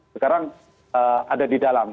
sekarang ada di dalam